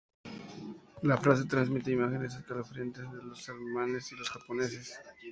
La frase transmite imágenes escalofriantes de los alemanes y los japoneses.